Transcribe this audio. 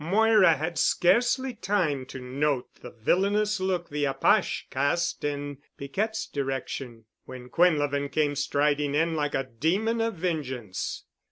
Moira had scarcely time to note the villainous look the apache cast in Piquette's direction, when Quinlevin came striding in like a demon of vengeance.